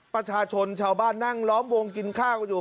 ประชาชนชาวบ้านนั่งล้อมวงกินข้าวกันอยู่